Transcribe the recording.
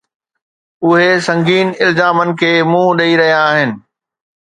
اهي سنگين الزامن کي منهن ڏئي رهيا آهن.